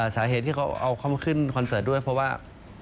สาเหตุที่เขาเอาเขามาขึ้นคอนเสิร์ตด้วยเพราะว่า